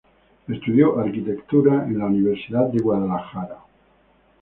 Estudió arquitectura en la Universidad de Guadalajara.